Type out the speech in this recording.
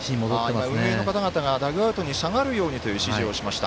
運営の方々がダグアウトに戻るよう指示をしました。